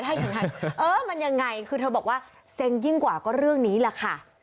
ถ้าอย่างนั้นเออมันยังไงคือเธอบอกว่าเซ็งยิ่งกว่าก็เรื่องนี้แหละค่ะ